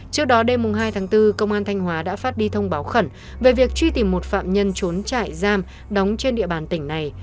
trước đó đêm hai tháng bốn công an thanh hóa đã phát đi thông báo khẩn về việc truy tìm một phạm nhân trốn trại giam đóng trên địa bàn tỉnh này